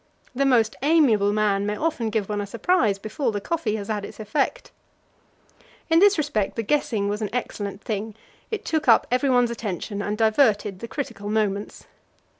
The most amiable man may often give one a surprise before the coffee has had its effect. In this respect the guessing was an excellent thing; it took up everyone's attention, and diverted the critical moments.